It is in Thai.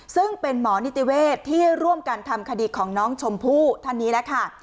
ซึ่งเป็นหมอนิติเวศที่ร่วมกันทำคดีของน้องชมพู่ท่านนี้แล้วค่ะ